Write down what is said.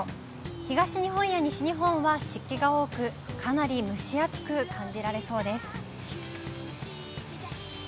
東日本や西日本は湿気が多く、かなり蒸し暑く感じられそうです。